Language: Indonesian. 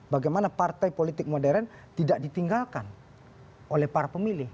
bagaimana partai politik modern tidak ditinggalkan oleh para pemilih